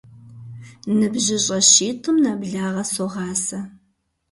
НыбжьыщӀэ щитӏым нэблагъэ согъасэ.